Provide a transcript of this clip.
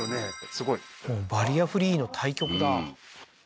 すごいバリアフリーの対極だうん